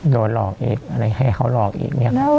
โดนหลอกอีกอะไรให้เขาหลอกอีกเนี่ยครับ